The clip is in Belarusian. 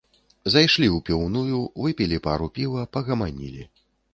Зайшлі ў піўную, выпілі пару піва, пагаманілі.